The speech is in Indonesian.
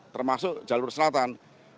termasuk jalur selatan